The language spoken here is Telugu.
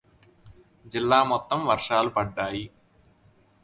జిల్లా మొత్తం వర్షాలు పడ్డాయి.